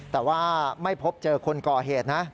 แต่ว่าไม่พบเจอคนก่อเหตุนะ